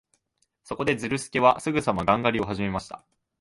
そこで、ズルスケはすぐさまガン狩りをはじめました。